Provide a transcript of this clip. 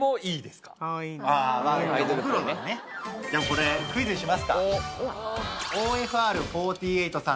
これクイズにしますか。